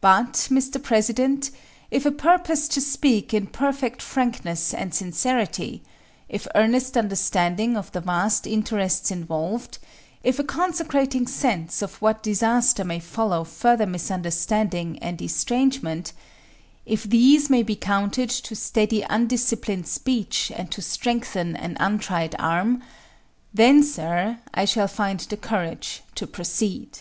But, Mr. President, if a purpose to speak in perfect frankness and sincerity; if earnest understanding of the vast interests involved; if a consecrating sense of what disaster may follow further misunderstanding and estrangement; if these may be counted to steady undisciplined speech and to strengthen an untried arm then, sir, I shall find the courage to proceed.